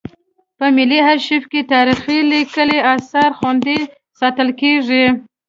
په ملي ارشیف کې تاریخي لیکلي اثار خوندي ساتل کیږي.